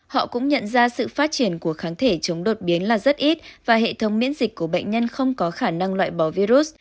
họ cũng nhận ra sự phát triển của kháng thể chống đột biến là rất ít và hệ thống miễn dịch của bệnh nhân không có khả năng loại bỏ virus